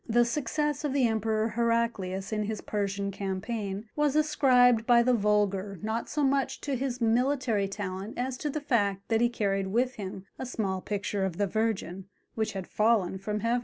The success of the Emperor Heraclius in his Persian campaign was ascribed by the vulgar not so much to his military talent as to the fact that he carried with him a small picture of the Virgin, which had fallen from heaven!